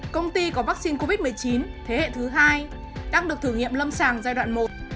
công ty có vaccine covid một mươi chín thế hệ thứ hai đang được thử nghiệm lâm sàng giai đoạn một